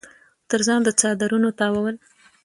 تر ځان د څادرنو تاوول